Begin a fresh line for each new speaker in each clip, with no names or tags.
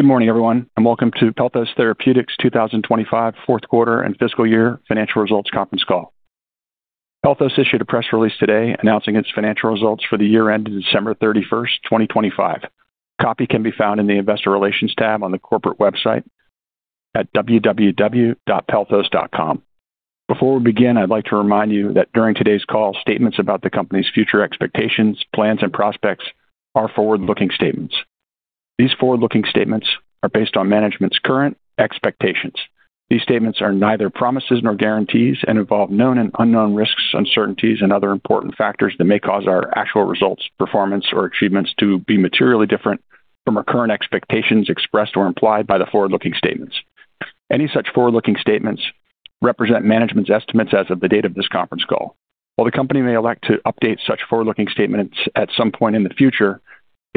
Good morning everyone, and welcome to Pelthos Therapeutics' 2025 fourth quarter and fiscal year financial results conference call. Pelthos issued a press release today announcing its financial results for the year ended December 31, 2025. A copy can be found in the investor relations tab on the corporate website at www.pelthos.com. Before we begin, I'd like to remind you that during today's call, statements about the company's future expectations, plans, and prospects are forward-looking statements. These forward-looking statements are based on management's current expectations. These statements are neither promises nor guarantees and involve known and unknown risks, uncertainties, and other important factors that may cause our actual results, performance, or achievements to be materially different from our current expectations expressed or implied by the forward-looking statements. Any such forward-looking statements represent management's estimates as of the date of this conference call. While the company may elect to update such forward-looking statements at some point in the future,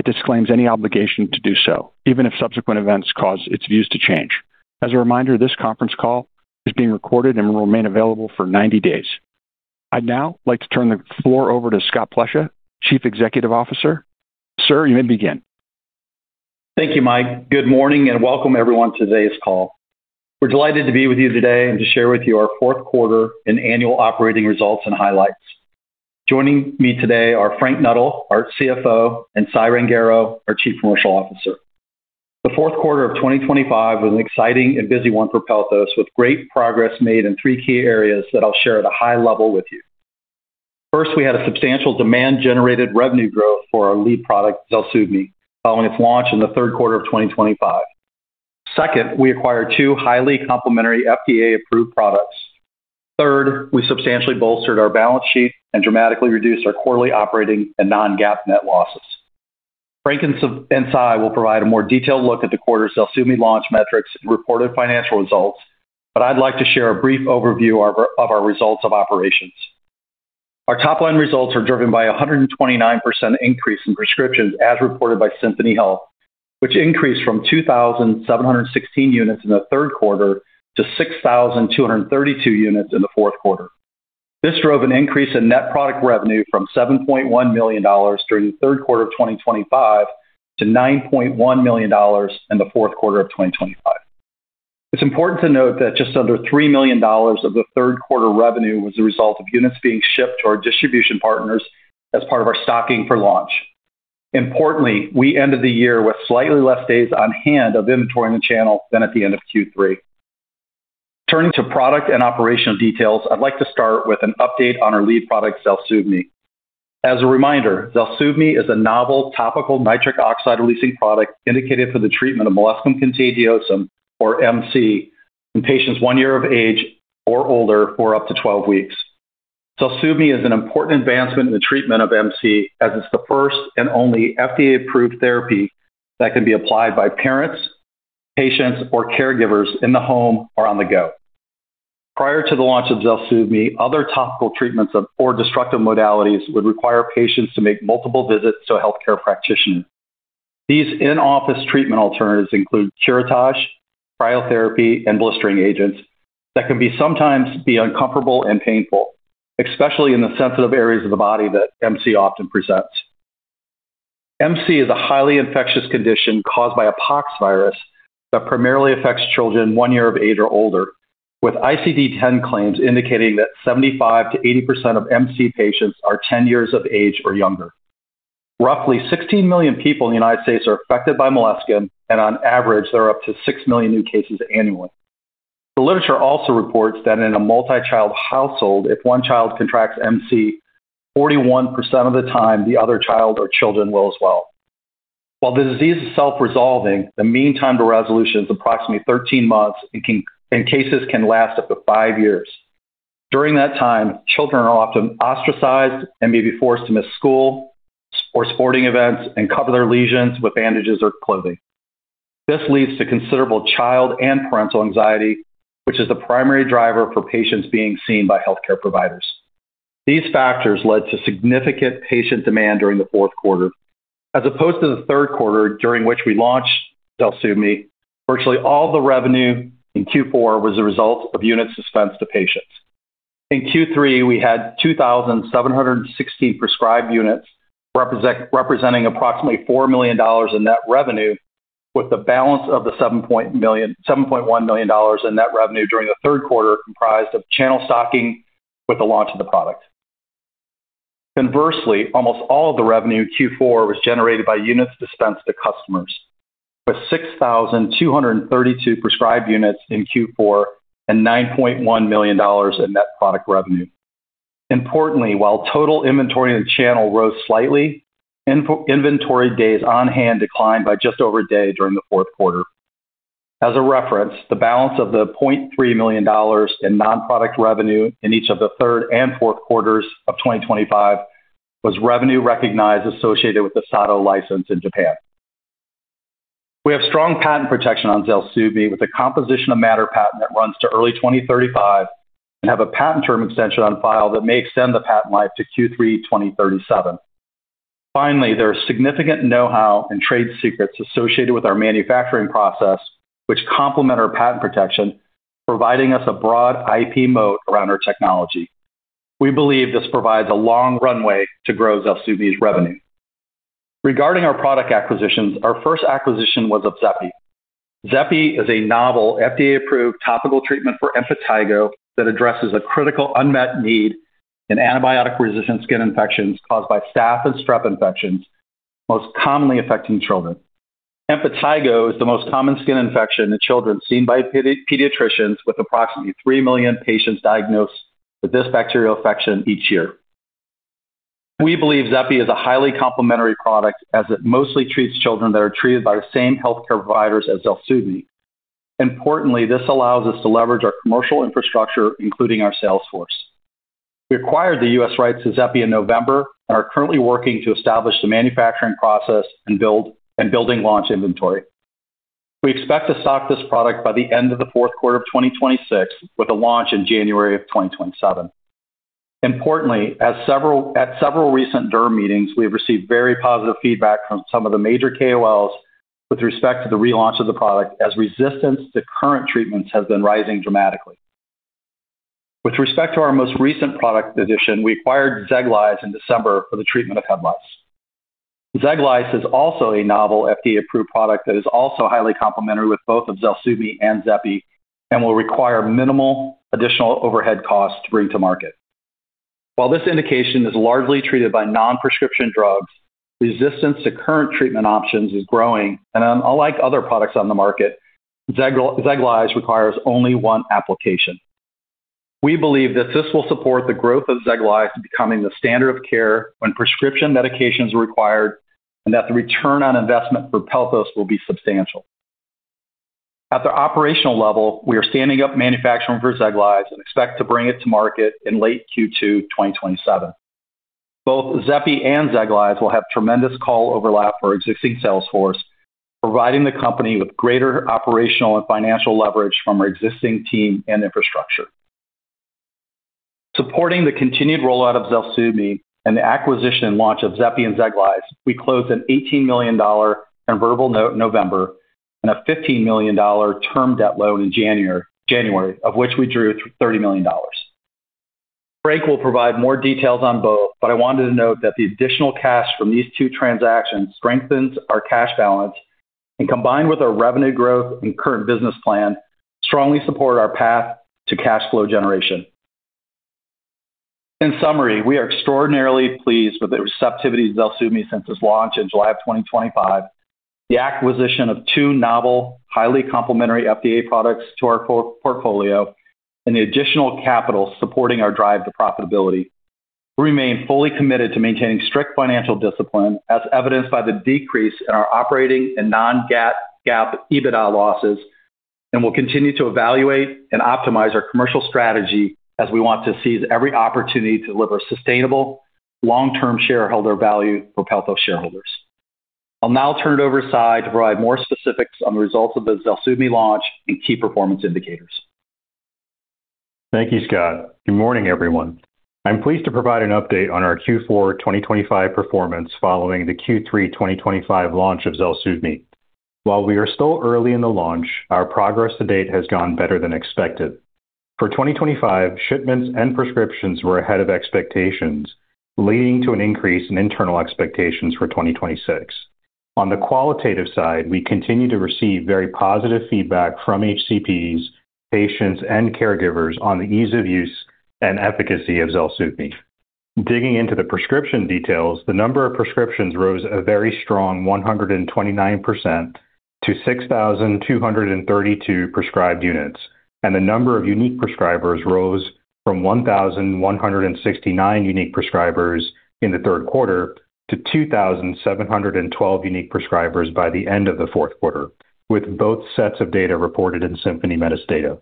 it disclaims any obligation to do so, even if subsequent events cause its views to change. As a reminder, this conference call is being recorded and will remain available for 90 days. I'd now like to turn the floor over to Scott Plesha, Chief Executive Officer. Sir, you may begin.
Thank you, Mike. Good morning and welcome everyone to today's call. We're delighted to be with you today and to share with you our fourth quarter and annual operating results and highlights. Joining me today are Frank Knuettel, our CFO, and Sai Rangarao, our Chief Commercial Officer. The fourth quarter of 2025 was an exciting and busy one for Pelthos, with great progress made in three key areas that I'll share at a high level with you. First, we had a substantial demand-generated revenue growth for our lead product, ZELSUVMI, following its launch in the third quarter of 2025. Second, we acquired two highly complementary FDA-approved products. Third, we substantially bolstered our balance sheet and dramatically reduced our quarterly operating and non-GAAP net losses. Frank and Sai will provide a more detailed look at the quarter ZELSUVMI launch metrics and reported financial results, but I'd like to share a brief overview of our results of operations. Our top-line results are driven by a 129% increase in prescriptions as reported by Symphony Health, which increased from 2,716 units in the third quarter to 6,232 units in the fourth quarter. This drove an increase in net product revenue from $7.1 million during the third quarter of 2025 to $9.1 million in the fourth quarter of 2025. It's important to note that just under $3 million of the third quarter revenue was a result of units being shipped to our distribution partners as part of our stocking for launch. Importantly, we ended the year with slightly less days on hand of inventory in the channel than at the end of Q3. Turning to product and operational details, I'd like to start with an update on our lead product, ZELSUVMI. As a reminder, ZELSUVMI is a novel topical nitric oxide-releasing product indicated for the treatment of molluscum contagiosum, or MC, in patients one year of age or older for up to 12 weeks. ZELSUVMI is an important advancement in the treatment of MC, as it's the first and only FDA-approved therapy that can be applied by parents, patients, or caregivers in the home or on the go. Prior to the launch of ZELSUVMI, other topical treatments or destructive modalities would require patients to make multiple visits to a healthcare practitioner. These in-office treatment alternatives include curettage, cryotherapy, and blistering agents that can sometimes be uncomfortable and painful, especially in the sensitive areas of the body that MC often presents. MC is a highly infectious condition caused by a poxvirus that primarily affects children one year of age or older, with ICD-10 claims indicating that 75%-80% of MC patients are 10 years of age or younger. Roughly 16 million people in the United States are affected by molluscum, and on average, there are up to 6 million new cases annually. The literature also reports that in a multi-child household, if one child contracts MC, 41% of the time the other child or children will as well. While the disease is self-resolving, the mean time to resolution is approximately 13 months and cases can last up to five years. During that time, children are often ostracized and may be forced to miss school or sporting events and cover their lesions with bandages or clothing. This leads to considerable child and parental anxiety, which is the primary driver for patients being seen by healthcare providers. These factors led to significant patient demand during the fourth quarter. As opposed to the third quarter during which we launched ZELSUVMI, virtually all the revenue in Q4 was a result of units dispensed to patients. In Q3, we had 2,716 prescribed units representing approximately $4 million in net revenue, with the balance of the $7.1 million in net revenue during the third quarter comprised of channel stocking with the launch of the product. Conversely, almost all of the revenue in Q4 was generated by units dispensed to customers, with 6,232 prescribed units in Q4 and $9.1 million in net product revenue. Importantly, while total inventory in the channel rose slightly, inventory days on hand declined by just over a day during the fourth quarter. As a reference, the balance of the $0.3 million in non-product revenue in each of the third and fourth quarters of 2025 was revenue recognized associated with the Sato license in Japan. We have strong patent protection on ZELSUVMI with a composition of matter patent that runs to early 2035 and have a patent term extension on file that may extend the patent life to Q3 2037. Finally, there is significant know-how in trade secrets associated with our manufacturing process which complement our patent protection, providing us a broad IP moat around our technology. We believe this provides a long runway to grow ZELSUVMI's revenue. Regarding our product acquisitions, our first acquisition was of Xepi. Xepi is a novel FDA-approved topical treatment for impetigo that addresses a critical unmet need in antibiotic-resistant skin infections caused by staph and strep infections, most commonly affecting children. Impetigo is the most common skin infection in children seen by pediatricians, with approximately 3 million patients diagnosed with this bacterial infection each year. We believe Xepi is a highly complementary product as it mostly treats children that are treated by the same healthcare providers as ZELSUVMI. Importantly, this allows us to leverage our commercial infrastructure, including our sales force. We acquired the U.S. rights to Xepi in November and are currently working to establish the manufacturing process and building launch inventory. We expect to stock this product by the end of the fourth quarter of 2026, with a launch in January of 2027. Importantly, at several recent DERM meetings, we have received very positive feedback from some of the major KOLs with respect to the relaunch of the product, as resistance to current treatments has been rising dramatically. With respect to our most recent product addition, we acquired Xeglyze in December for the treatment of head lice. Xeglyze is also a novel FDA-approved product that is also highly complementary with both of ZELSUVMI and Xepi and will require minimal additional overhead costs to bring to market. While this indication is largely treated by non-prescription drugs, resistance to current treatment options is growing, and unlike other products on the market, Xeglyze requires only one application. We believe that this will support the growth of Xeglyze becoming the standard of care when prescription medications are required and that the return on investment for Pelthos will be substantial. At the operational level, we are standing up manufacturing for Xeglyze and expect to bring it to market in late Q2 2027. Both Xepi and Xeglyze will have tremendous call overlap for existing sales force, providing the company with greater operational and financial leverage from our existing team and infrastructure. Supporting the continued rollout of ZELSUVMI and the acquisition and launch of Xepi and Xeglyze, we closed an $18 million convertible note in November and a $15 million term debt loan in January, of which we drew $30 million. Frank will provide more details on both, but I wanted to note that the additional cash from these two transactions strengthens our cash balance and, combined with our revenue growth and current business plan, strongly support our path to cash flow generation. In summary, we are extraordinarily pleased with the receptivity of ZELSUVMI since its launch in July 2025, the acquisition of two novel, highly complementary FDA products to our portfolio, and the additional capital supporting our drive to profitability. We remain fully committed to maintaining strict financial discipline, as evidenced by the decrease in our operating and non-GAAP, GAAP EBITDA losses, and will continue to evaluate and optimize our commercial strategy as we want to seize every opportunity to deliver sustainable long-term shareholder value for Pelthos shareholders. I'll now turn it over to Sai to provide more specifics on the results of the ZELSUVMI launch and key performance indicators.
Thank you, Scott. Good morning, everyone. I'm pleased to provide an update on our Q4 2025 performance following the Q3 2025 launch of ZELSUVMI. While we are still early in the launch, our progress to date has gone better than expected. For 2025, shipments and prescriptions were ahead of expectations, leading to an increase in internal expectations for 2026. On the qualitative side, we continue to receive very positive feedback from HCPs, patients, and caregivers on the ease of use and efficacy of ZELSUVMI. Digging into the prescription details, the number of prescriptions rose a very strong 129% to 6,232 prescribed units, and the number of unique prescribers rose from 1,169 unique prescribers in the third quarter to 2,712 unique prescribers by the end of the fourth quarter, with both sets of data reported in Symphony Health data.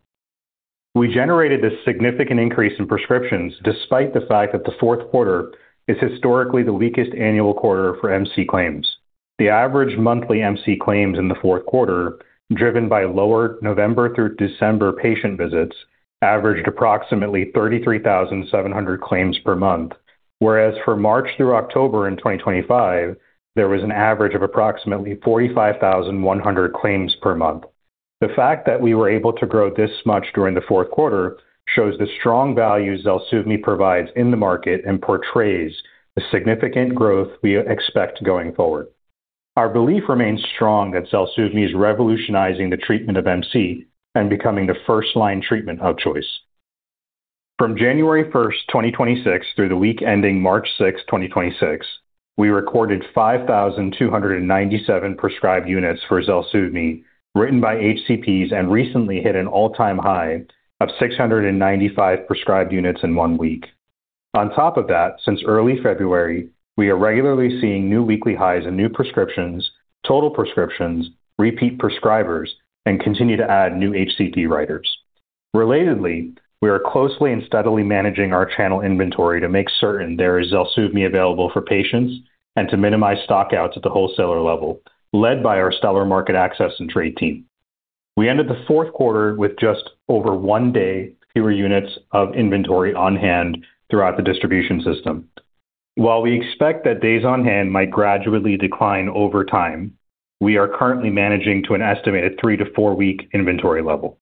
We generated this significant increase in prescriptions despite the fact that the fourth quarter is historically the weakest annual quarter for MC claims. The average monthly MC claims in the fourth quarter, driven by lower November through December patient visits, averaged approximately 33,700 claims per month. Whereas for March through October in 2025, there was an average of approximately 45,100 claims per month. The fact that we were able to grow this much during the fourth quarter shows the strong value ZELSUVMI provides in the market and portrays the significant growth we expect going forward. Our belief remains strong that ZELSUVMI is revolutionizing the treatment of MC and becoming the first-line treatment of choice. From January 1st, 2026, through the week ending March 6, 2026, we recorded 5,297 prescribed units for ZELSUVMI written by HCPs and recently hit an all-time high of 695 prescribed units in one week. On top of that, since early February, we are regularly seeing new weekly highs in new prescriptions, total prescriptions, repeat prescribers, and continue to add new HCP writers. Relatedly, we are closely and steadily managing our channel inventory to make certain there is ZELSUVMI available for patients and to minimize stock-outs at the wholesaler level, led by our stellar market access and trade team. We ended the fourth quarter with just over one day fewer units of inventory on hand throughout the distribution system. While we expect that days on hand might gradually decline over time, we are currently managing to an estimated 3-4-week inventory level.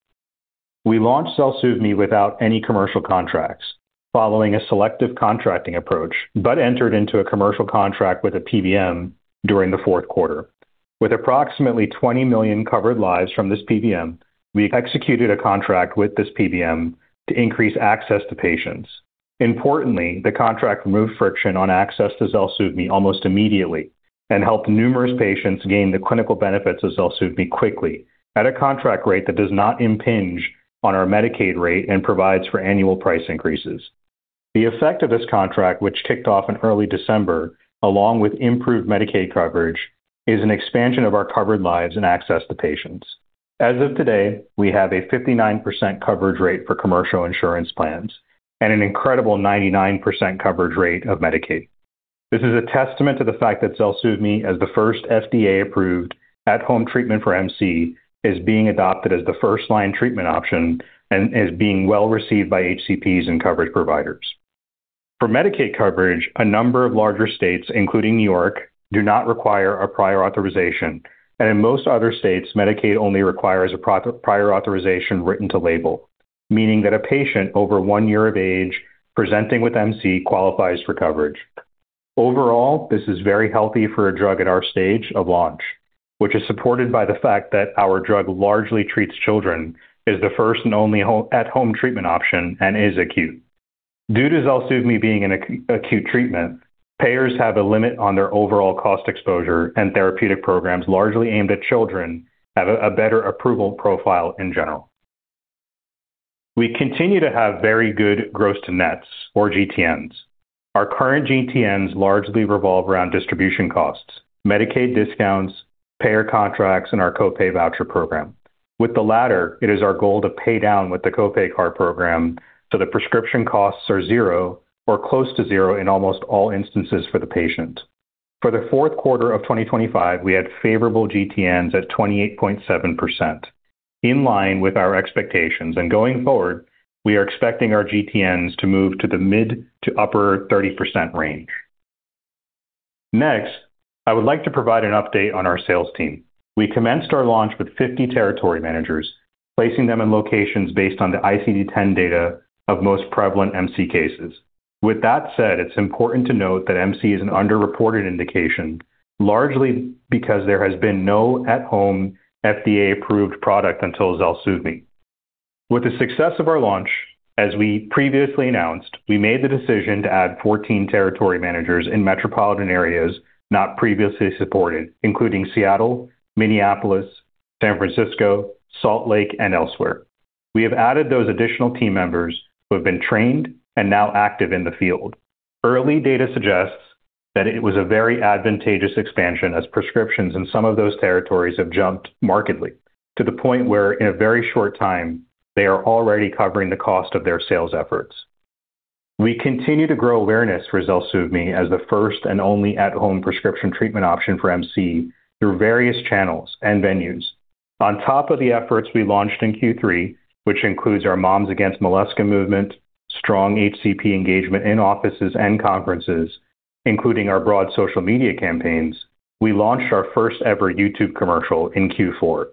We launched ZELSUVMI without any commercial contracts following a selective contracting approach, but entered into a commercial contract with a PBM during the fourth quarter. With approximately 20 million covered lives from this PBM, we executed a contract with this PBM to increase access to patients. Importantly, the contract removed friction on access to ZELSUVMI almost immediately and helped numerous patients gain the clinical benefits of ZELSUVMI quickly at a contract rate that does not impinge on our Medicaid rate and provides for annual price increases. The effect of this contract, which kicked off in early December, along with improved Medicaid coverage, is an expansion of our covered lives and access to patients. As of today, we have a 59% coverage rate for commercial insurance plans and an incredible 99% coverage rate of Medicaid. This is a testament to the fact that ZELSUVMI, as the first FDA-approved at-home treatment for MC, is being adopted as the first-line treatment option and is being well-received by HCPs and coverage providers. For Medicaid coverage, a number of larger states, including New York, do not require a prior authorization, and in most other states, Medicaid only requires a prior authorization written to label, meaning that a patient over one year of age presenting with MC qualifies for coverage. Overall, this is very healthy for a drug at our stage of launch, which is supported by the fact that our drug largely treats children, is the first and only at-home treatment option, and is acute. Due to ZELSUVMI being an acute treatment, payers have a limit on their overall cost exposure, and therapeutic programs largely aimed at children have a better approval profile in general. We continue to have very good gross-to-nets, or GTNs. Our current GTNs largely revolve around distribution costs, Medicaid discounts, payer contracts, and our co-pay voucher program. With the latter, it is our goal to pay down with the co-pay card program so that prescription costs are zero or close to zero in almost all instances for the patient. For the fourth quarter of 2025, we had favorable GTNs at 28.7%, in line with our expectations. Going forward, we are expecting our GTNs to move to the mid- to upper-30% range. Next, I would like to provide an update on our sales team. We commenced our launch with 50 territory managers, placing them in locations based on the ICD-10 data of most prevalent MC cases. With that said, it's important to note that MC is an underreported indication, largely because there has been no at-home FDA-approved product until ZELSUVMI. With the success of our launch, as we previously announced, we made the decision to add 14 territory managers in metropolitan areas not previously supported, including Seattle, Minneapolis, San Francisco, Salt Lake, and elsewhere. We have added those additional team members who have been trained and now active in the field. Early data suggests that it was a very advantageous expansion, as prescriptions in some of those territories have jumped markedly to the point where, in a very short time, they are already covering the cost of their sales efforts. We continue to grow awareness for ZELSUVMI as the first and only at-home prescription treatment option for MC through various channels and venues. On top of the efforts we launched in Q3, which includes our Moms Against Molluscum movement, strong HCP engagement in offices and conferences, including our broad social media campaigns, we launched our first ever YouTube commercial in Q4.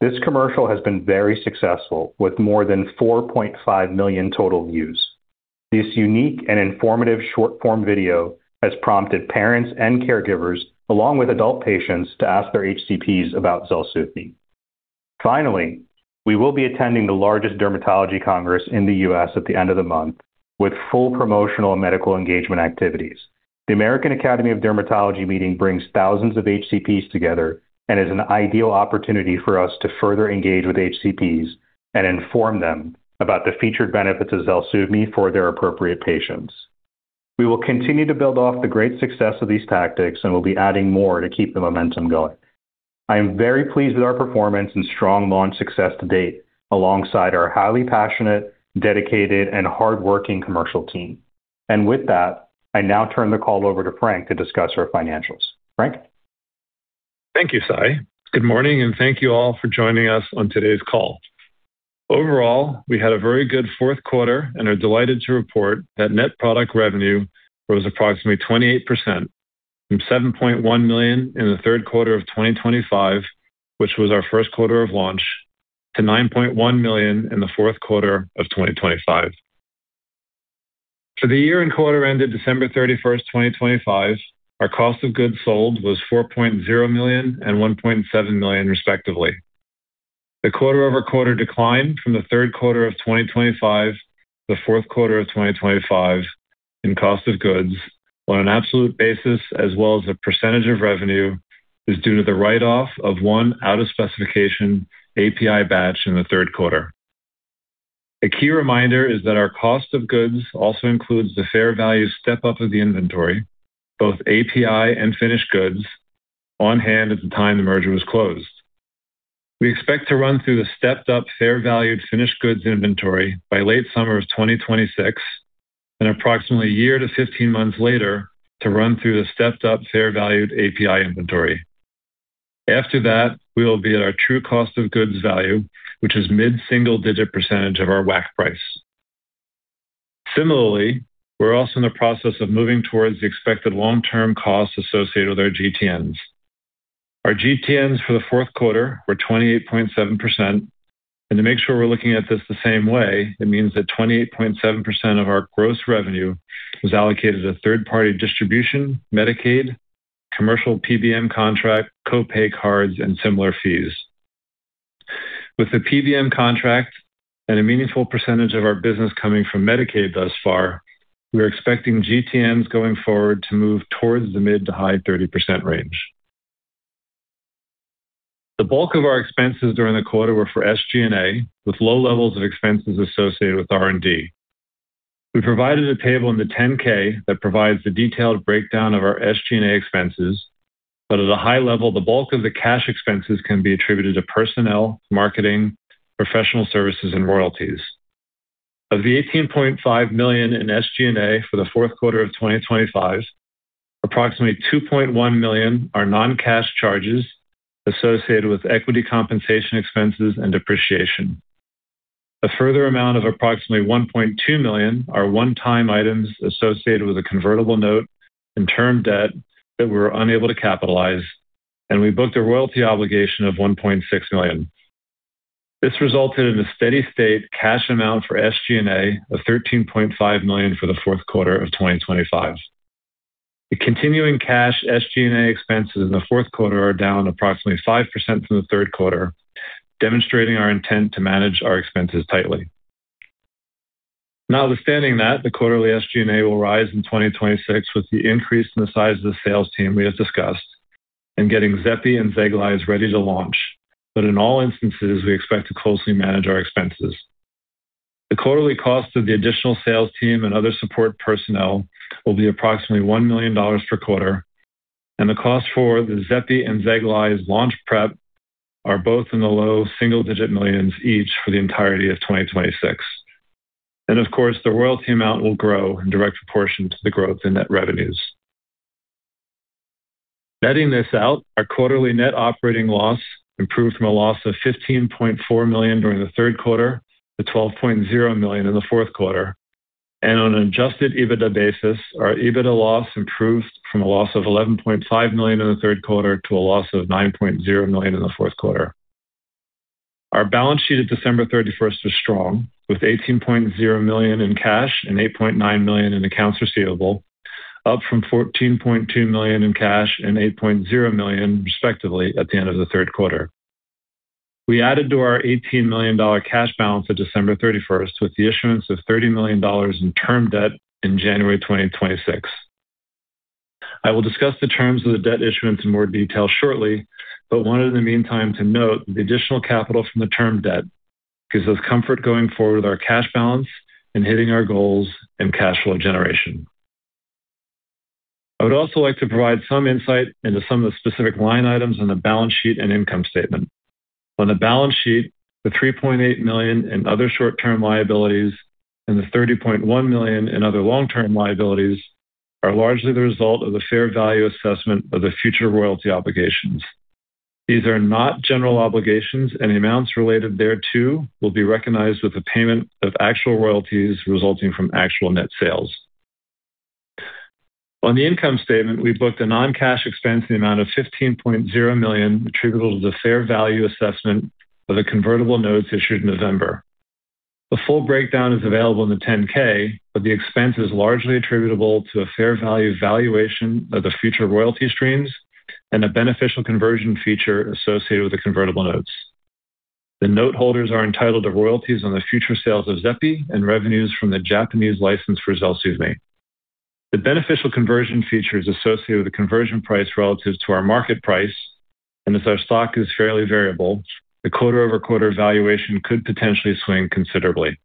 This commercial has been very successful, with more than 4.5 million total views. This unique and informative short-form video has prompted parents and caregivers, along with adult patients, to ask their HCPs about ZELSUVMI. Finally, we will be attending the largest dermatology congress in the U.S. at the end of the month with full promotional and medical engagement activities. The American Academy of Dermatology meeting brings thousands of HCPs together and is an ideal opportunity for us to further engage with HCPs and inform them about the featured benefits of ZELSUVMI for their appropriate patients. We will continue to build off the great success of these tactics and will be adding more to keep the momentum going. I am very pleased with our performance and strong launch success to date alongside our highly passionate, dedicated, and hardworking commercial team. With that, I now turn the call over to Frank to discuss our financials. Frank?
Thank you, Sai. Good morning, and thank you all for joining us on today's call. Overall, we had a very good fourth quarter and are delighted to report that net product revenue rose approximately 28% from $7.1 million in the third quarter of 2025, which was our first quarter of launch, to $9.1 million in the fourth quarter of 2025. For the year and quarter ended December 31st, 2025, our cost of goods sold was $4.0 million and $1.7 million, respectively. The quarter-over-quarter decline from the third quarter of 2025 to the fourth quarter of 2025 in cost of goods on an absolute basis as well as a percentage of revenue is due to the write off of one out-of-specification API batch in the third quarter. A key reminder is that our cost of goods also includes the fair value step-up of the inventory, both API and finished goods on hand at the time the merger was closed. We expect to run through the stepped-up fair valued finished goods inventory by late summer of 2026 and approximately a year to 15 months later to run through the stepped-up fair valued API inventory. After that, we will be at our true cost of goods value, which is mid-single digit percentage of our WAC price. Similarly, we're also in the process of moving towards the expected long-term costs associated with our GTNs. Our GTNs for the fourth quarter were 28.7%. To make sure we're looking at this the same way, it means that 28.7% of our gross revenue is allocated to third-party distribution, Medicaid, commercial PBM contract, co-pay cards, and similar fees. With the PBM contract and a meaningful percentage of our business coming from Medicaid thus far, we are expecting GTNs going forward to move towards the mid- to high-30% range. The bulk of our expenses during the quarter were for SG&A, with low levels of expenses associated with R&D. We provided a table in the 10-K that provides a detailed breakdown of our SG&A expenses. At a high level, the bulk of the cash expenses can be attributed to personnel, marketing, professional services, and royalties. Of the $18.5 million in SG&A for the fourth quarter of 2025, approximately $2.1 million are non-cash charges associated with equity compensation expenses and depreciation. A further amount of approximately $1.2 million are one-time items associated with a convertible note and term debt that we're unable to capitalize, and we booked a royalty obligation of $1.6 million. This resulted in a steady-state cash amount for SG&A of $13.5 million for the fourth quarter of 2025. The continuing cash SG&A expenses in the fourth quarter are down approximately 5% from the third quarter, demonstrating our intent to manage our expenses tightly. Notwithstanding that, the quarterly SG&A will rise in 2026 with the increase in the size of the sales team we have discussed and getting Xepi and Xeglyze ready to launch. In all instances, we expect to closely manage our expenses. The quarterly cost of the additional sales team and other support personnel will be approximately $1 million per quarter, and the cost for the Xepi and Xeglyze launch prep are both in the low single-digit millions each for the entirety of 2026. Of course, the royalty amount will grow in direct proportion to the growth in net revenues. Netting this out, our quarterly net operating loss improved from a loss of $15.4 million during the third quarter to $12.0 million in the fourth quarter. On an adjusted EBITDA basis, our EBITDA loss improved from a loss of $11.5 million in the third quarter to a loss of $9.0 million in the fourth quarter. Our balance sheet as of December 31st is strong, with $18.0 million in cash and $8.9 million in accounts receivable, up from $14.2 million in cash and $8.0 million, respectively, at the end of the third quarter. We added to our $18 million cash balance at December 31st with the issuance of $30 million in term debt in January 2026. I will discuss the terms of the debt issuance in more detail shortly, but I wanted in the meantime to note that the additional capital from the term debt gives us comfort going forward with our cash balance and hitting our goals and cash flow generation. I would also like to provide some insight into some of the specific line items on the balance sheet and income statement. On the balance sheet, the $3.8 million in other short-term liabilities and the $30.1 million in other long-term liabilities are largely the result of the fair value assessment of the future royalty obligations. These are not general obligations, and the amounts related thereto will be recognized with the payment of actual royalties resulting from actual net sales. On the income statement, we booked a non-cash expense in the amount of $15.0 million attributable to the fair value assessment of the convertible notes issued in November. The full breakdown is available in the 10-K, but the expense is largely attributable to a fair value valuation of the future royalty streams and a beneficial conversion feature associated with the convertible notes. The note holders are entitled to royalties on the future sales of Xepi and revenues from the Japanese license for ZELSUVMI. The beneficial conversion feature is associated with a conversion price relative to our market price, and as our stock is fairly variable, the quarter-over-quarter valuation could potentially swing considerably.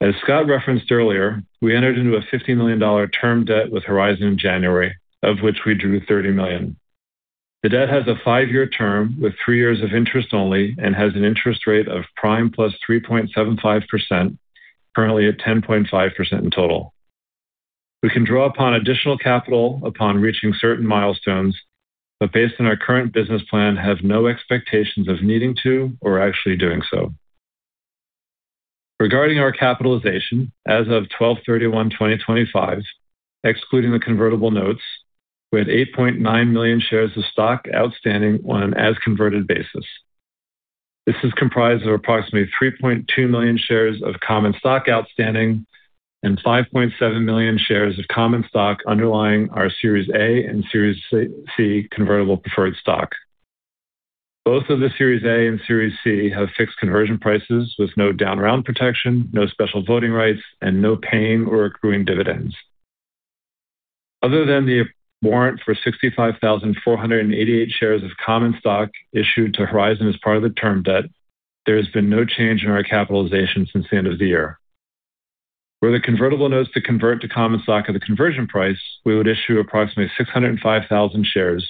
As Scott referenced earlier, we entered into a $50 million term debt with Horizon in January, of which we drew $30 million. The debt has a five-year term with three years of interest only and has an interest rate of prime plus 3.75%, currently at 10.5% in total. We can draw upon additional capital upon reaching certain milestones, but based on our current business plan, have no expectations of needing to or actually doing so. Regarding our capitalization, as of 12/31/2025, excluding the convertible notes, we had 8.9 million shares of stock outstanding on an as-converted basis. This is comprised of approximately 3.2 million shares of common stock outstanding and 5.7 million shares of common stock underlying our Series A and Series C convertible preferred stock. Both of the Series A and Series C have fixed conversion prices with no down round protection, no special voting rights, and no paying or accruing dividends. Other than the warrant for 65,488 shares of common stock issued to Horizon as part of the term debt, there has been no change in our capitalization since the end of the year. Were the convertible notes to convert to common stock at the conversion price, we would issue approximately 605,000 shares,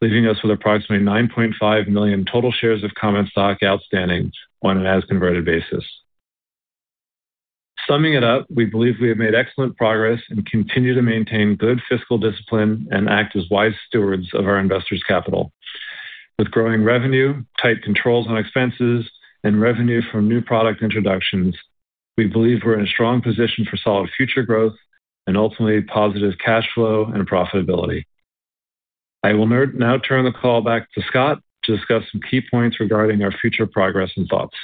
leaving us with approximately 9.5 million total shares of common stock outstanding on an as-converted basis. Summing it up, we believe we have made excellent progress and continue to maintain good fiscal discipline and act as wise stewards of our investors' capital. With growing revenue, tight controls on expenses, and revenue from new product introductions, we believe we're in a strong position for solid future growth and ultimately positive cash flow and profitability. I will now turn the call back to Scott to discuss some key points regarding our future progress and thoughts.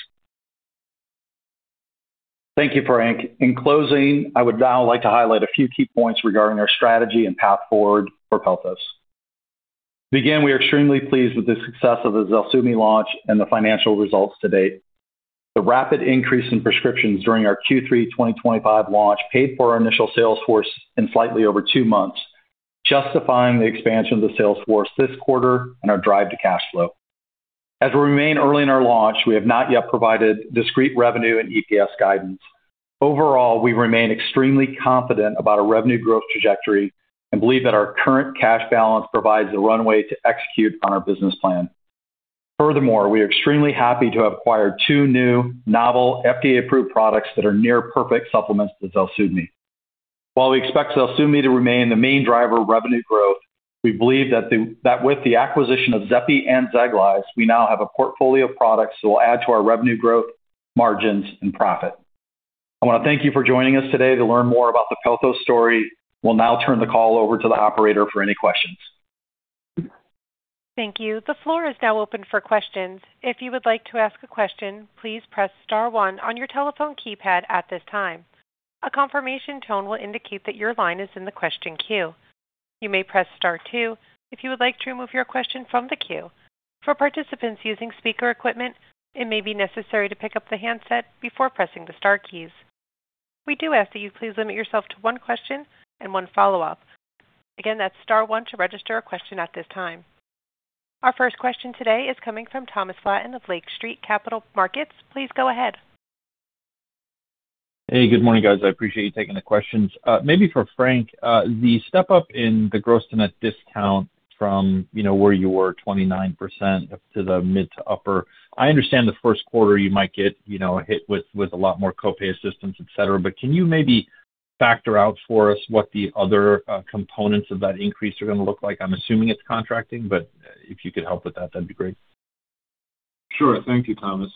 Thank you, Frank. In closing, I would now like to highlight a few key points regarding our strategy and path forward for Pelthos. To begin, we are extremely pleased with the success of the ZELSUVMI launch and the financial results to date. The rapid increase in prescriptions during our Q3 2025 launch paid for our initial sales force in slightly over two months, justifying the expansion of the sales force this quarter and our drive to cash flow. As we remain early in our launch, we have not yet provided discrete revenue and EPS guidance. Overall, we remain extremely confident about our revenue growth trajectory and believe that our current cash balance provides the runway to execute on our business plan. Furthermore, we are extremely happy to have acquired two new novel FDA-approved products that are near perfect supplements to ZELSUVMI. While we expect ZELSUVMI to remain the main driver of revenue growth, we believe that with the acquisition of Xepi and Xeglyze, we now have a portfolio of products that will add to our revenue growth margins and profit. I want to thank you for joining us today to learn more about the Pelthos story. We'll now turn the call over to the operator for any questions.
Thank you. The floor is now open for questions. If you would like to ask a question, please press star one on your telephone keypad at this time. A confirmation tone will indicate that your line is in the question queue. You may press star two if you would like to remove your question from the queue. For participants using speaker equipment, it may be necessary to pick up the handset before pressing the star keys. We do ask that you please limit yourself to one question and one follow-up. Again, that's star one to register a question at this time. Our first question today is coming from Thomas Flaten of Lake Street Capital Markets. Please go ahead.
Hey, good morning, guys. I appreciate you taking the questions. Maybe for Frank, the step-up in the gross to net discount from, you know, where you were 29% up to the mid to upper. I understand the first quarter you might get, you know, hit with a lot more copay assistance, etc. Can you maybe factor out for us what the other components of that increase are gonna look like? I'm assuming it's contracting, but if you could help with that'd be great.
Sure. Thank you, Thomas.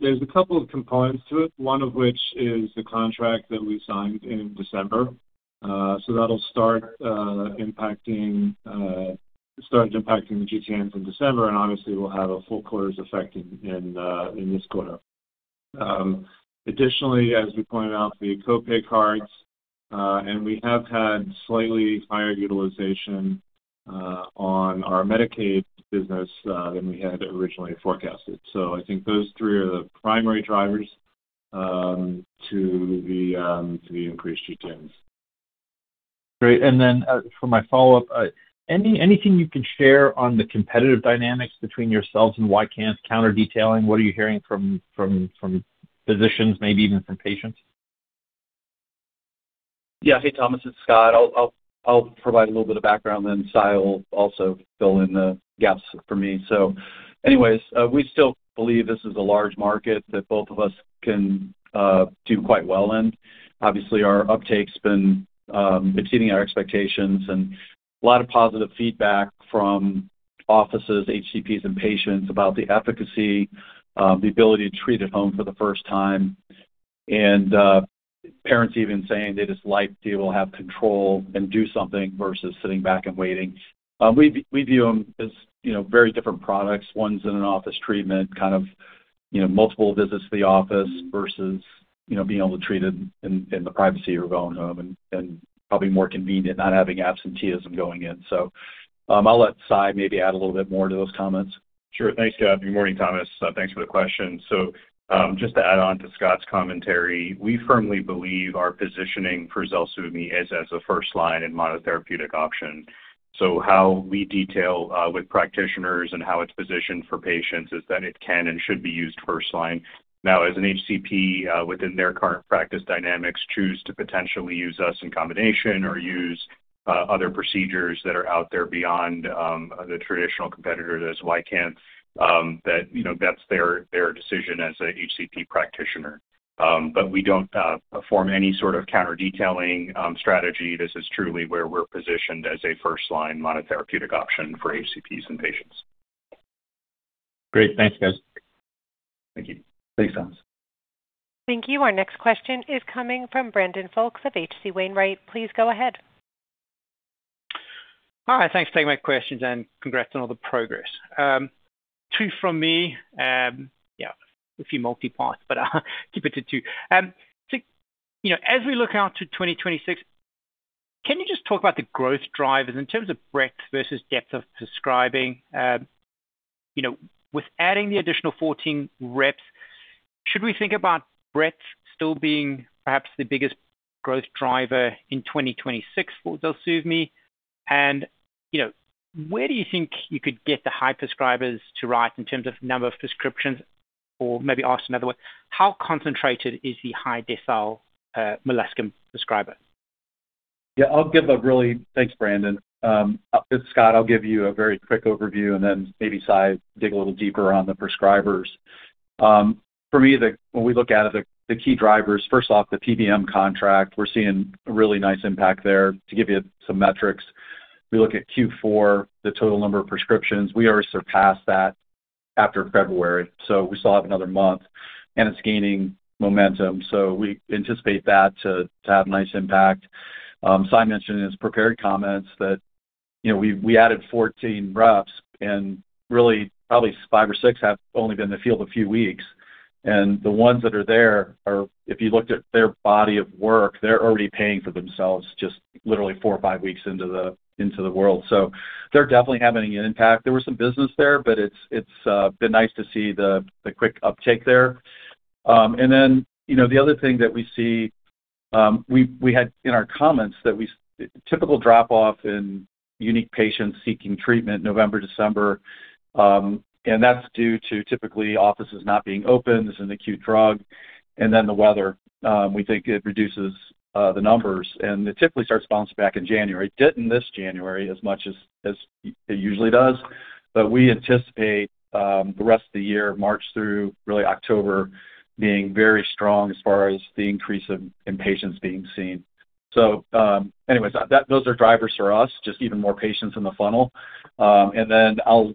There's a couple of components to it, one of which is the contract that we signed in December. That'll start impacting GTN from December, and obviously, we'll have a full quarter's effect in this quarter. Additionally, as we pointed out, the co-pay cards, and we have had slightly higher utilization on our Medicaid business than we had originally forecasted. I think those three are the primary drivers to the increased GTNs.
Great. Then, for my follow-up, anything you can share on the competitive dynamics between yourselves and Ycanth counter-detailing. What are you hearing from physicians, maybe even from patients?
Yeah. Hey, Thomas, it's Scott. I'll provide a little bit of background then Sai will also fill in the gaps for me. Anyways, we still believe this is a large market that both of us can do quite well in. Obviously, our uptake's been exceeding our expectations and a lot of positive feedback from offices, HCPs, and patients about the efficacy, the ability to treat at home for the first time. Parents even saying they just like to be able to have control and do something versus sitting back and waiting. We view them as, you know, very different products. One's in an office treatment, kind of, you know, multiple visits to the office versus, you know, being able to treat it in the privacy of your own home and probably more convenient, not having absenteeism going in. I'll let Sai maybe add a little bit more to those comments.
Sure. Thanks, Scott. Good morning, Thomas. Thanks for the question. Just to add on to Scott's commentary, we firmly believe our positioning for ZELSUVMI is as a first-line monotherapeutic option. How we detail with practitioners and how it's positioned for patients is that it can and should be used first line. Now, as an HCP, within their current practice dynamics, choose to potentially use us in combination or use other procedures that are out there beyond the traditional competitor. That's why, you know, that's their decision as a HCP practitioner. But we don't perform any sort of counter-detailing strategy. This is truly where we're positioned as a first-line monotherapeutic option for HCPs and patients.
Great. Thanks, guys.
Thank you.
Thanks, Thomas.
Thank you. Our next question is coming from Brandon Folkes of H.C. Wainwright. Please go ahead.
All right. Thanks for taking my questions and congrats on all the progress. Two from me. Yeah, a few multi-parts, but I'll keep it to two. So, you know, as we look out to 2026, can you just talk about the growth drivers in terms of breadth versus depth of prescribing? You know, with adding the additional 14 reps, should we think about breadth still being perhaps the biggest growth driver in 2026 for ZELSUVMI? And, you know, where do you think you could get the high prescribers to write in terms of number of prescriptions? Or maybe asked another way, how concentrated is the high decile molluscum prescriber?
Thanks, Brandon. This is Scott. I'll give you a very quick overview, and then maybe Sai dig a little deeper on the prescribers. For me, when we look at it, the key drivers, first off, the PBM contract, we're seeing a really nice impact there. To give you some metrics, we look at Q4, the total number of prescriptions, we already surpassed that after February, so we still have another month and it's gaining momentum. We anticipate that to have nice impact. Sai mentioned in his prepared comments that, you know, we added 14 reps, and really probably five or six have only been in the field a few weeks. The ones that are there are, if you looked at their body of work, they're already paying for themselves just literally four or five weeks into the world. They're definitely having an impact. There was some business there, but it's been nice to see the quick uptake there. You know, the other thing that we see, we had in our comments that typical drop-off in unique patients seeking treatment November, December, and that's due to typically offices not being open. This is an acute drug. The weather, we think it reduces the numbers. It typically starts bouncing back in January. Didn't this January as much as it usually does, but we anticipate the rest of the year, March through really October, being very strong as far as the increase of in-patients being seen. Anyways, those are drivers for us, just even more patients in the funnel. Then I'll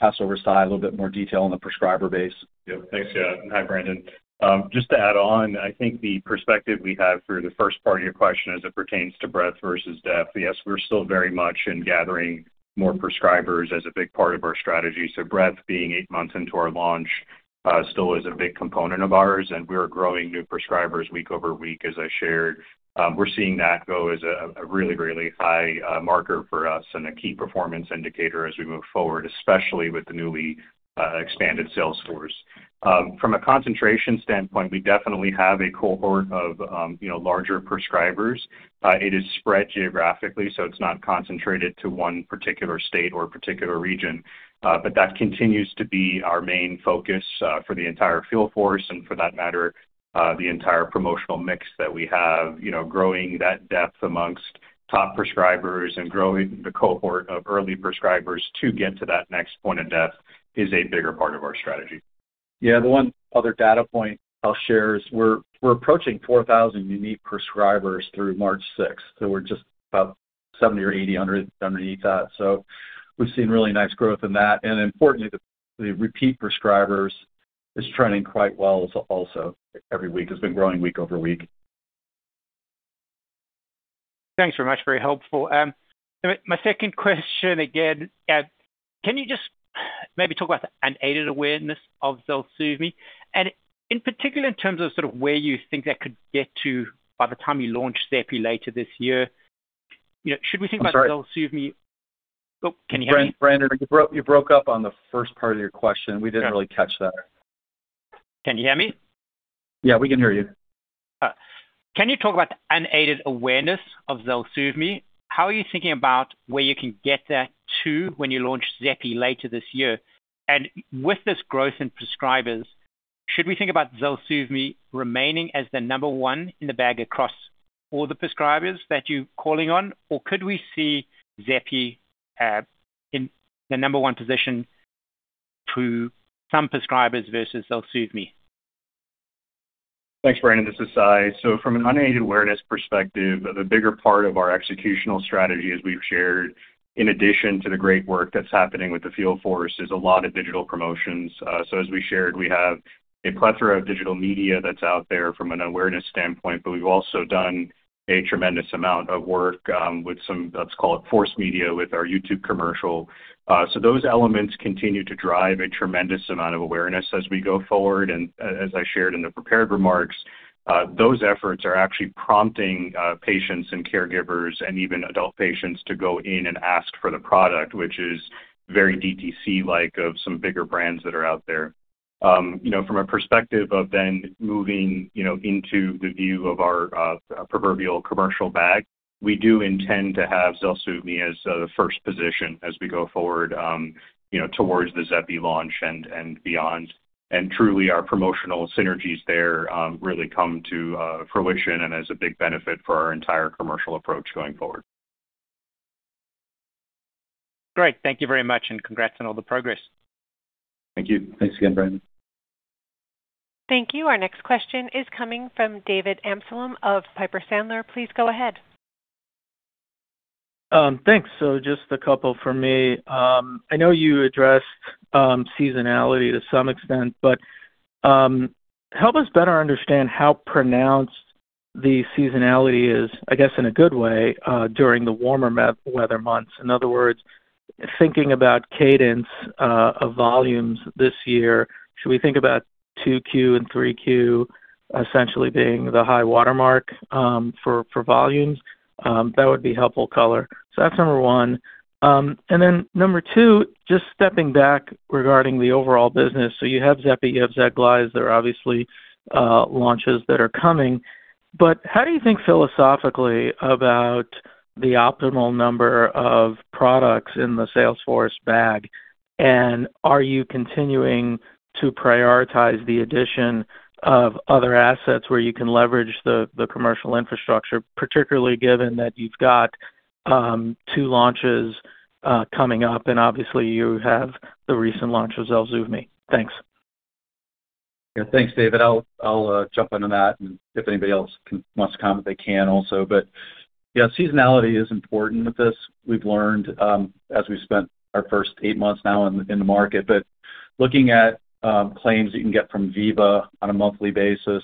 pass over to Sai a little bit more detail on the prescriber base.
Yeah. Thanks. Yeah. Hi, Brandon. Just to add on, I think the perspective we have for the first part of your question as it pertains to breadth versus depth, yes, we're still very much in gathering more prescribers as a big part of our strategy. Breadth being eight months into our launch still is a big component of ours, and we are growing new prescribers week over week, as I shared. We're seeing that, though, as a really high marker for us and a key performance indicator as we move forward, especially with the newly expanded sales force. From a concentration standpoint, we definitely have a cohort of, you know, larger prescribers. It is spread geographically, so it's not concentrated to one particular state or particular region. That continues to be our main focus for the entire field force, and for that matter, the entire promotional mix that we have, you know, growing that depth among top prescribers and growing the cohort of early prescribers to get to that next point of depth is a bigger part of our strategy.
Yeah. The one other data point I'll share is we're approaching 4,000 unique prescribers through March 6th. So we're just about 70 or 80 underneath that. So we've seen really nice growth in that. Importantly, the repeat prescribers is trending quite well also every week. It's been growing week over week.
Thanks very much. Very helpful. My second question again, can you just maybe talk about unaided awareness of ZELSUVMI? In particular in terms of sort of where you think that could get to by the time you launch Xepi later this year, you know, should we think about ZELSUVMI?
I'm sorry.
Oh, can you hear me?
Brandon, you broke up on the first part of your question. We didn't really catch that.
Can you hear me?
Yeah, we can hear you.
All right. Can you talk about unaided awareness of ZELSUVMI? How are you thinking about where you can get that to when you launch Xepi later this year? With this growth in prescribers, should we think about ZELSUVMI remaining as the number one in the bag across all the prescribers that you're calling on? Could we see Xepi in the number one position to some prescribers versus ZELSUVMI?
Thanks, Brandon. This is Sai. From an unaided awareness perspective, the bigger part of our executional strategy, as we've shared, in addition to the great work that's happening with the field force, is a lot of digital promotions. As we shared, we have a plethora of digital media that's out there from an awareness standpoint, but we've also done a tremendous amount of work with some, let's call it forced media with our YouTube commercial. Those elements continue to drive a tremendous amount of awareness as we go forward. As I shared in the prepared remarks, those efforts are actually prompting patients and caregivers and even adult patients to go in and ask for the product, which is very DTC-like of some bigger brands that are out there. You know, from a perspective of then moving, you know, into the view of our proverbial commercial bag, we do intend to have ZELSUVMI as the first position as we go forward, you know, towards the Xepi launch and beyond. Truly, our promotional synergies there really come to fruition and as a big benefit for our entire commercial approach going forward.
Great. Thank you very much, and congrats on all the progress.
Thank you.
Thanks again, Brandon.
Thank you. Our next question is coming from David Amsellem of Piper Sandler. Please go ahead.
Thanks. Just a couple from me. I know you addressed seasonality to some extent, but help us better understand how pronounced the seasonality is, I guess, in a good way, during the warmer weather months. In other words, thinking about cadence of volumes this year, should we think about 2Q and 3Q essentially being the high watermark for volumes? That would be helpful color. That's number one. And then number two, just stepping back regarding the overall business. You have Xepi, you have Xeglyze. There are obviously launches that are coming. How do you think philosophically about the optimal number of products in the sales force bag. Are you continuing to prioritize the addition of other assets where you can leverage the commercial infrastructure, particularly given that you've got two launches coming up and obviously you have the recent launch of ZELSUVMI? Thanks.
Yeah. Thanks, David. I'll jump into that and if anybody else wants to comment, they can also. Yeah, seasonality is important with this. We've learned as we've spent our first eight months now in the market. Looking at claims that you can get from Veeva on a monthly basis,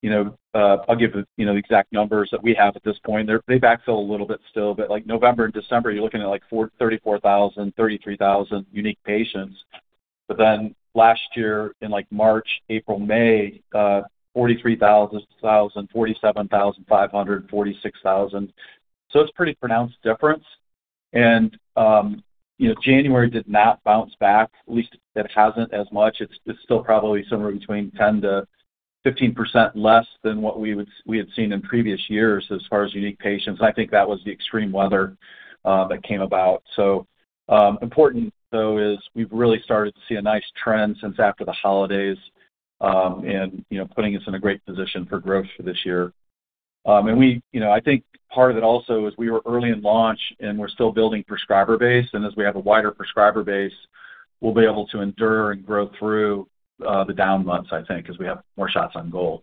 you know, I'll give the exact numbers that we have at this point. They backfill a little bit still, but like November and December, you're looking at like 34,000, 33,000 unique patients. Then last year in like March, April, May, 43,000, 47,500, 46,000. It's pretty pronounced difference. You know, January did not bounce back, at least it hasn't as much. It's still probably somewhere between 10%-15% less than what we had seen in previous years as far as unique patients. I think that was the extreme weather that came about. Important though is we've really started to see a nice trend since after the holidays, and, you know, putting us in a great position for growth for this year. And you know, I think part of it also is we were early in launch and we're still building prescriber base, and as we have a wider prescriber base, we'll be able to endure and grow through the down months, I think, 'cause we have more shots on goal.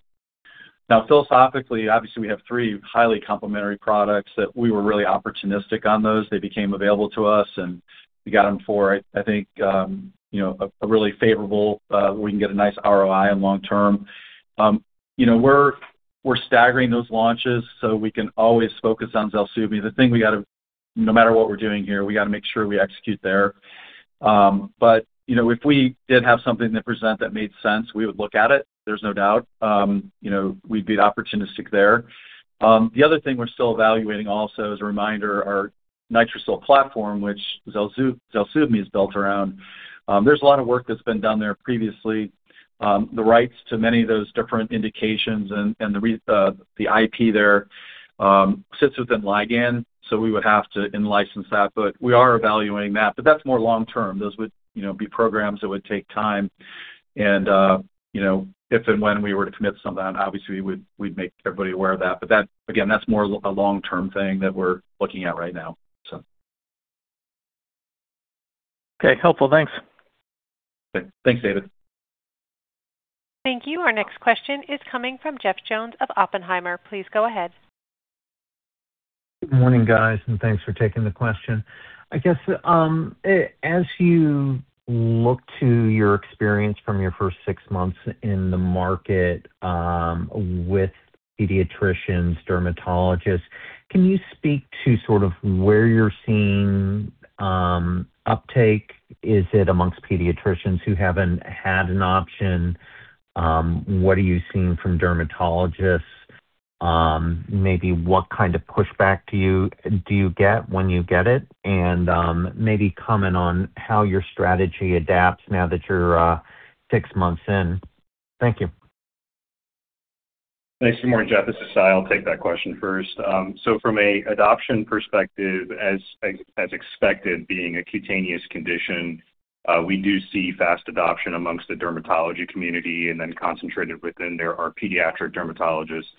Now, philosophically, obviously we have three highly complementary products that we were really opportunistic on those. They became available to us, and we got them for I think you know a really favorable. We can get a nice ROI on long term. You know, we're staggering those launches, so we can always focus on ZELSUVMI. The thing we gotta no matter what we're doing here, we gotta make sure we execute there. You know, if we did have something that presents that made sense, we would look at it. There's no doubt. You know, we'd be opportunistic there. The other thing we're still evaluating also, as a reminder, our NITRICIL platform, which ZELSUVMI is built around. There's a lot of work that's been done there previously. The rights to many of those different indications and the IP there sits within Ligand, so we would have to in-license that, but we are evaluating that. That's more long-term. Those would, you know, be programs that would take time and, you know, if and when we were to commit to something, obviously we'd make everybody aware of that. That, again, that's more a long-term thing that we're looking at right now, so.
Okay. Helpful. Thanks.
Okay. Thanks, David.
Thank you. Our next question is coming from Jeff Jones of Oppenheimer. Please go ahead.
Good morning, guys, and thanks for taking the question. I guess, as you look to your experience from your first six months in the market, with pediatricians, dermatologists, can you speak to sort of where you're seeing uptake? Is it among pediatricians who haven't had an option? What are you seeing from dermatologists? Maybe what kind of pushback do you get when you get it? Maybe comment on how your strategy adapts now that you're six months in. Thank you.
Thanks. Good morning, Jeff. This is Sai. I'll take that question first. From an adoption perspective, as expected, being a cutaneous condition, we do see fast adoption amongst the dermatology community and then concentrated within there are pediatric dermatologists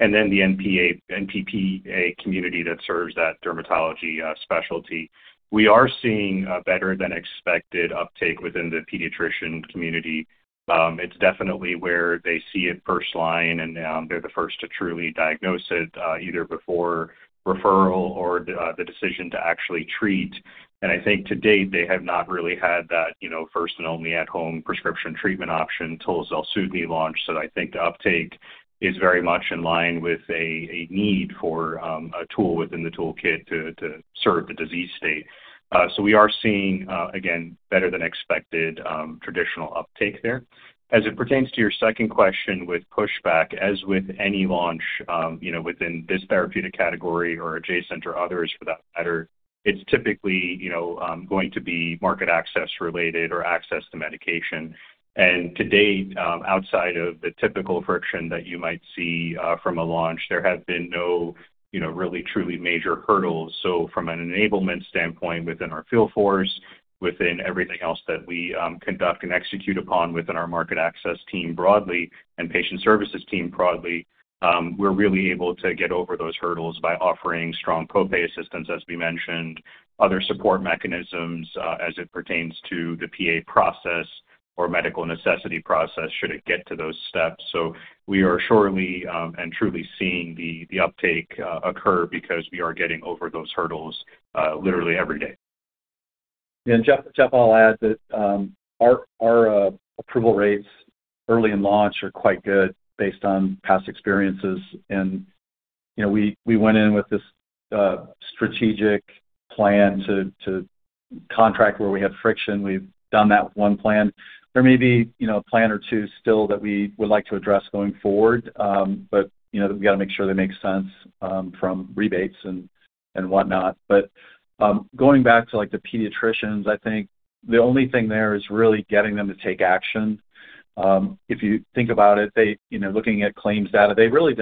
and then the NP/PA community that serves that dermatology specialty. We are seeing better than expected uptake within the pediatrician community. It's definitely where they see it first line, and they're the first to truly diagnose it, either before referral or the decision to actually treat. I think to date, they have not really had that, you know, first and only at-home prescription treatment option till ZELSUVMI launched. I think the uptake is very much in line with a need for a tool within the toolkit to serve the disease state. We are seeing, again, better than expected, traditional uptake there. As it pertains to your second question with pushback, as with any launch, you know, within this therapeutic category or adjacent or others for that matter, it's typically, you know, going to be market access related or access to medication. To date, outside of the typical friction that you might see from a launch, there have been no, you know, really truly major hurdles. From an enablement standpoint within our field force, within everything else that we conduct and execute upon within our market access team broadly and patient services team broadly, we're really able to get over those hurdles by offering strong copay assistance, as we mentioned, other support mechanisms, as it pertains to the PA process or medical necessity process should it get to those steps. We are surely and truly seeing the uptake occur because we are getting over those hurdles literally every day.
Jeff, I'll add that our approval rates early in launch are quite good based on past experiences and, you know, we went in with this strategic plan to contract where we had friction. We've done that with one plan. There may be, you know, a plan or two still that we would like to address going forward, but, you know, we gotta make sure they make sense, from rebates and whatnot. Going back to like the pediatricians, I think. The only thing there is really getting them to take action. If you think about it, they, you know, looking at claims data, they really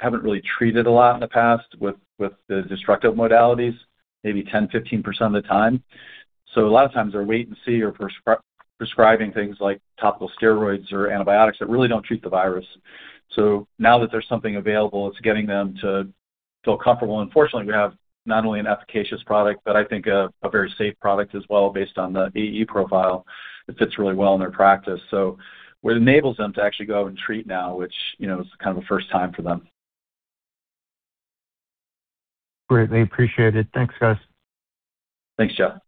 haven't really treated a lot in the past with the destructive modalities, maybe 10%-15% of the time. A lot of times they're wait and see or prescribing things like topical steroids or antibiotics that really don't treat the virus. Now that there's something available, it's getting them to feel comfortable. Fortunately, we have not only an efficacious product, but I think a very safe product as well, based on the AE profile that fits really well in their practice. What enables them to actually go and treat now, which, you know, is kind of a first time for them.
Greatly appreciate it. Thanks, guys.
Thanks, Jeff.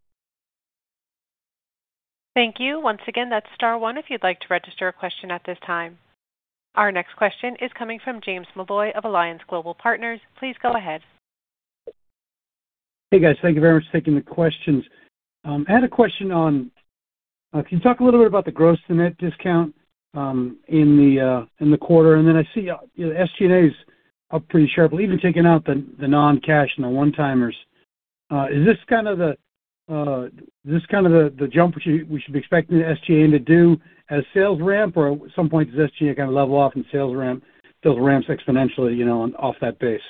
Thank you. Once again, that's star one if you'd like to register a question at this time. Our next question is coming from James Molloy of Alliance Global Partners. Please go ahead.
Hey, guys. Thank you very much for taking the questions. I had a question on, can you talk a little bit about the gross-to-net discount in the quarter? And then I see, you know, SG&A up pretty sharply, even taking out the non-cash and the one-timers. Is this kind of the jump we should be expecting the SG&A to do as sales ramp or at some point, does SG&A kind of level off and sales ramp, sales ramps exponentially, you know, off that base?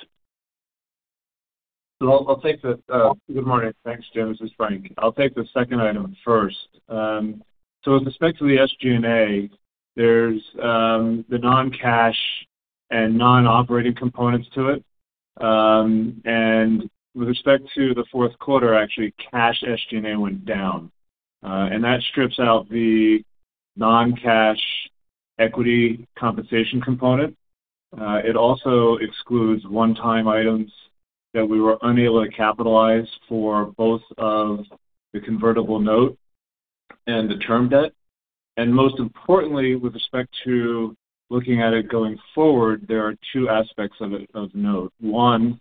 Good morning. Thanks, James. This is Frank. I'll take the second item first. With respect to the SG&A, there's the non-cash and non-operating components to it. With respect to the fourth quarter, actually cash SG&A went down, and that strips out the non-cash equity compensation component. It also excludes one-time items that we were unable to capitalize for both of the convertible note and the term debt. Most importantly, with respect to looking at it going forward, there are two aspects of it of note. One,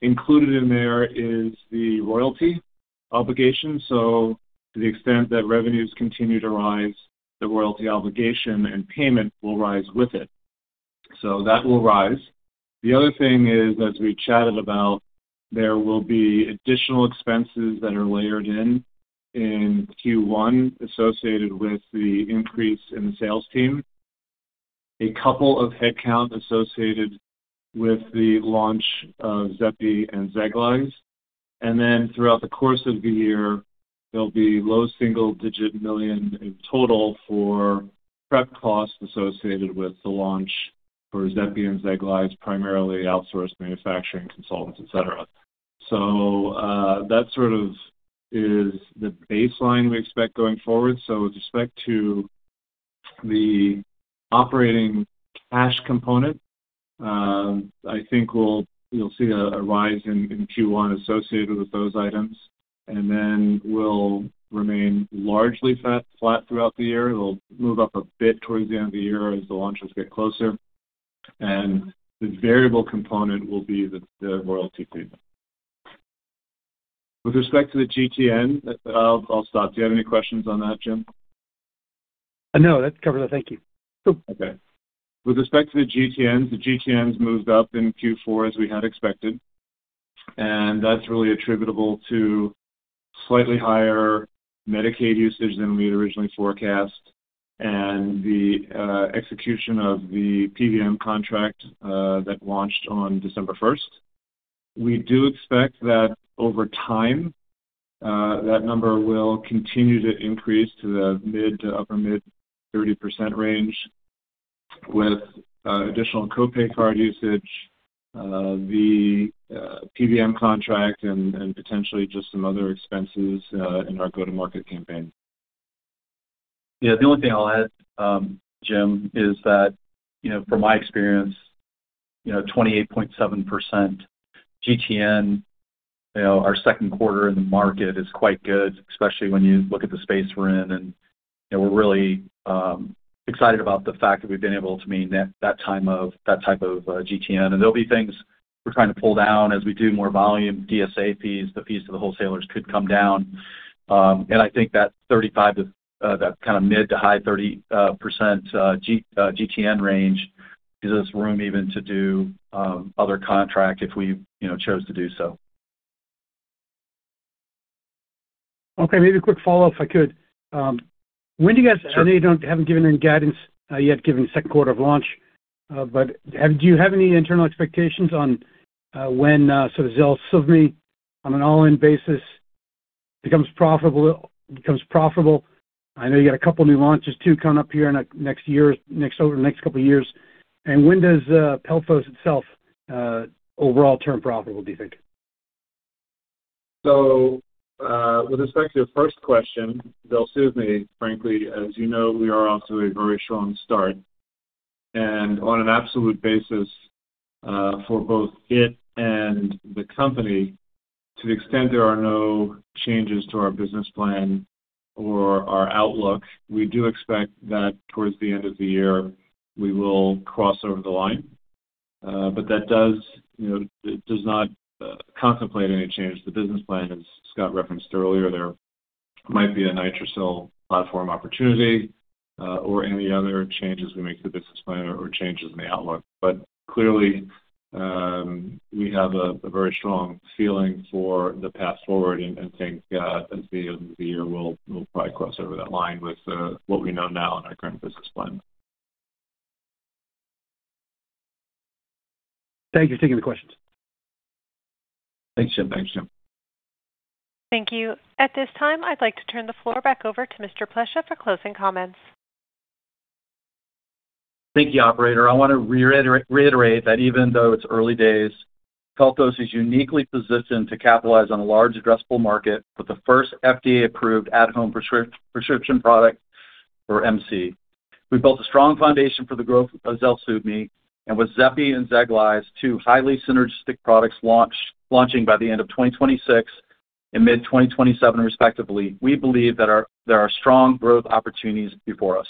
included in there is the royalty obligation. To the extent that revenues continue to rise, the royalty obligation and payment will rise with it. That will rise. The other thing is, as we chatted about, there will be additional expenses that are layered in Q1 associated with the increase in the sales team. A couple of headcount associated with the launch of Xepi and Xeglyze. Throughout the course of the year, there'll be low single-digit $ million in total for prep costs associated with the launch for Xepi and Xeglyze, primarily outsourced manufacturing consultants, et cetera. That sort of is the baseline we expect going forward. With respect to the operating cash component, I think we'll, you'll see a rise in Q1 associated with those items, and then we'll remain largely flat throughout the year. It'll move up a bit towards the end of the year as the launches get closer. The variable component will be the royalty payment. With respect to the GTN, I'll stop. Do you have any questions on that, Jim?
No, that's covered. Thank you.
Okay. With respect to the GTNs, the GTNs moved up in Q4 as we had expected, and that's really attributable to slightly higher Medicaid usage than we had originally forecast and the execution of the PBM contract that launched on December first. We do expect that over time, that number will continue to increase to the mid- to upper-mid-30% range with additional co-pay card usage, the PBM contract and potentially just some other expenses in our go-to-market campaign.
Yeah. The only thing I'll add, Jim, is that, you know, from my experience, you know, 28.7% GTN, you know, our second quarter in the market is quite good, especially when you look at the space we're in. You know, we're really excited about the fact that we've been able to meet that type of GTN. There'll be things we're trying to pull down as we do more volume. DSA fees, the fees to the wholesalers could come down. I think that 35% to that kinda mid-to-high 30% GTN range gives us room even to do other contract if we, you know, chose to do so.
Okay, maybe a quick follow-up, if I could. When do you guys-
Sure.
I know you haven't given any guidance yet given second quarter of launch, but do you have any internal expectations on when so ZELSUVMI on an all-in basis becomes profitable? I know you got a couple new launches too coming up here in the next year, next over the next couple years. When does Pelthos itself overall turn profitable, do you think?
With respect to your first question, ZELSUVMI, frankly, as you know, we are off to a very strong start and on an absolute basis, for both it and the company, to the extent there are no changes to our business plan or our outlook, we do expect that toward the end of the year we will cross over the line. That does, you know, it does not contemplate any change to the business plan. As Scott referenced earlier, there might be a NITRICIL platform opportunity, or any other changes we make to the business plan or changes in the outlook. Clearly, we have a very strong feeling for the path forward and think at the end of the year we'll probably cross over that line with what we know now in our current business plan.
Thank you for taking the questions.
Thanks, Jim.
Thank you. At this time, I'd like to turn the floor back over to Mr. Plesha for closing comments.
Thank you, operator. I want to reiterate that even though it's early days, Pelthos is uniquely positioned to capitalize on a large addressable market with the first FDA-approved at-home prescription product for MC. We've built a strong foundation for the growth of ZELSUVMI, and with Xepi and Xeglyze, two highly synergistic products launching by the end of 2026 and mid-2027 respectively, we believe that there are strong growth opportunities before us.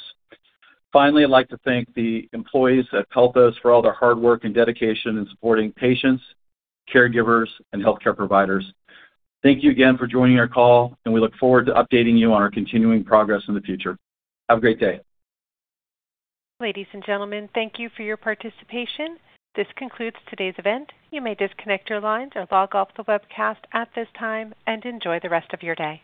Finally, I'd like to thank the employees at Pelthos for all their hard work and dedication in supporting patients, caregivers, and healthcare providers. Thank you again for joining our call and we look forward to updating you on our continuing progress in the future. Have a great day.
Ladies and gentlemen, thank you for your participation. This concludes today's event. You may disconnect your lines or log off the webcast at this time and enjoy the rest of your day.